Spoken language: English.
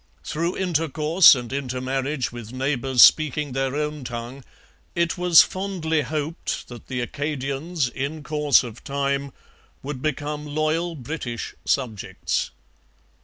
Through intercourse and intermarriage with neighbours speaking their own tongue, it was fondly hoped that the Acadians, in course of time, would become loyal British subjects.